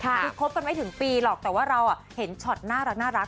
คือคบกันไม่ถึงปีหรอกแต่ว่าเราเห็นช็อตน่ารัก